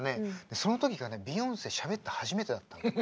その時がビヨンセしゃべったの初めてだったのね。